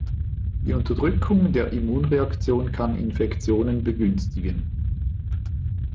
Die Unterdrückung der Immunreaktion kann Infektionen begünstigen.